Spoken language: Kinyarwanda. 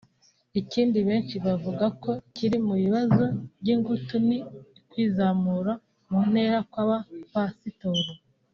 Ikindi benshi bavuga ko kiri mu bibazo by’ingutu ni ukwizamura mu ntera kwa ba Pasitoro